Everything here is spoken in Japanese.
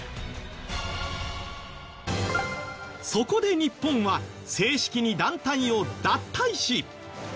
そこで日本は正式に団体を脱退し。